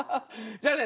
じゃあね